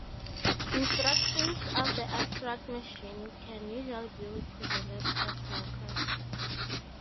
Instructions of the abstract machine can usually be represented as records.